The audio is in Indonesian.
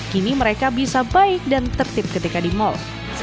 kini mereka bisa baik dan tertib ketika di mal